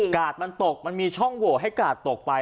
กาดมันตกมันมีช่องโหวให้กาดตกไป